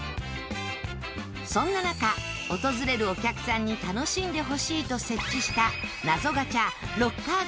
そんな中訪れるお客さんに楽しんでほしいと設置した謎ガチャロッカー